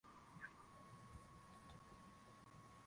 mdogo kuhusu uchafuzi wa hewa unaokuja kutoka nje ya mipaka yao